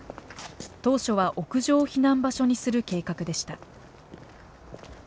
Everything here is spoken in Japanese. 当初は屋上を避難場所にする計画でした。